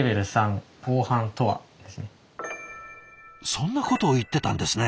そんなことを言ってたんですね。